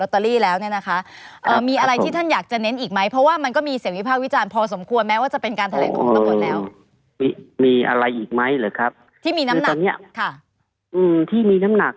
ที่มีน้ำหนักค่ะคือตรงนี้ค่ะที่มีน้ำหนัก